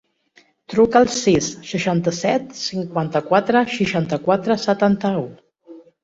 Truca al sis, seixanta-set, cinquanta-quatre, seixanta-quatre, setanta-u.